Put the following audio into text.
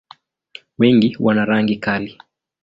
Wengi wana rangi kali.